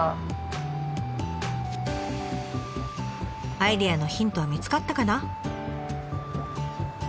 アイデアのヒントは見つかったかな？